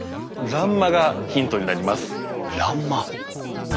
欄間。